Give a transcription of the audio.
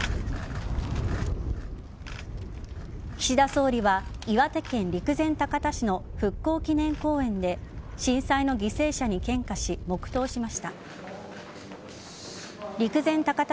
岸田総理は岩手県陸前高田市の復興祈念公園で震災の犠牲者に献花し黙とうしました。